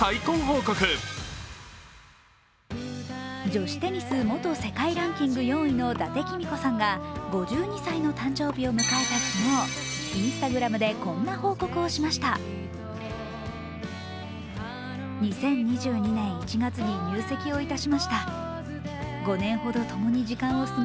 女子テニス元世界ランキング４位の伊達公子さんが５２歳の誕生日を迎えた昨日Ｉｎｓｔａｇｒａｍでこんな報告をしました再婚を報告。